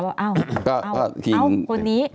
ว่าเอ้าคนนี้